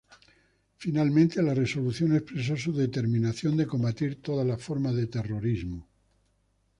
Finalmente, la resolución expresó su determinación de combatir todas las formas de terrorismo.